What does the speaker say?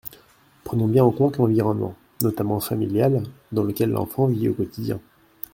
Prenons bien en compte l’environnement, notamment familial, dans lequel l’enfant vit au quotidien.